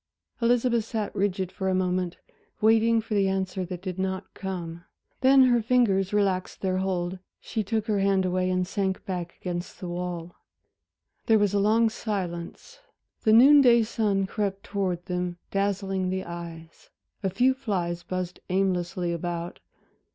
Elizabeth sat rigid for a moment, waiting for the answer that did not come; then her fingers relaxed their hold, she took her hand away and sank back against the wall. There was a long silence. The noon day sun crept towards them, dazzling the eyes, a few flies buzzed aimlessly about.